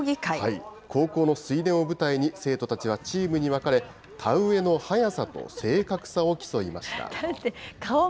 高校の水田を舞台に、生徒たちはチームに分かれ、田植えの速さと正確さを競いました。